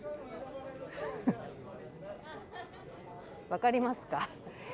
分かりますか？